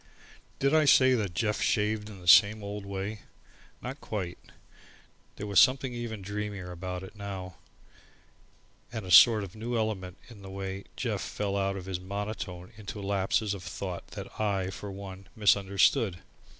Did I say that Jeff shaved in the same old way? Not quite. There was something even dreamier about it now, and a sort of new element in the way Jeff fell out of his monotone into lapses of thought that I, for one, misunderstood.